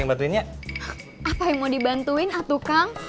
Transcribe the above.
apa yang mau dibantuin atukang